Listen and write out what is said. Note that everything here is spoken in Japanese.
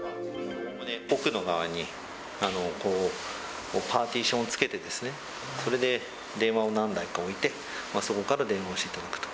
奥の側にこうパーティションをつけて、それで電話を何台か置いて、そこから電話をしていただくと。